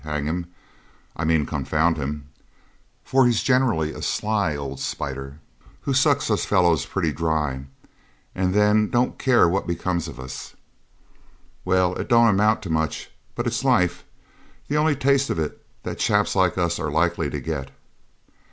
Hang him I mean confound him for he's generally a sly old spider who sucks us fellows pretty dry, and then don't care what becomes of us. Well, it don't amount to much, but it's life the only taste of it that chaps like us are likely to get.